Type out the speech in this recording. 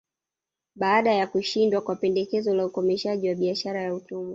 Baada ya kushindwa kwa pendekezo la ukomeshaji wa biashara ya utumwa